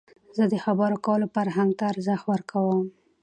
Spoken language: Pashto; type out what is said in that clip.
زه د خبرو کولو فرهنګ ته ارزښت ورکوم.